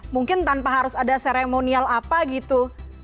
mungkin tanpa harus ada seremonial apa gitu